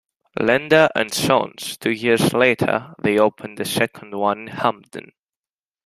Lender and Sons, two years later they opened a second one in Hamden.